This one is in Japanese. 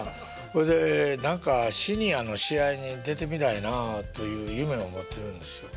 ほんで何かシニアの試合に出てみたいなあという夢を持ってるんですよ。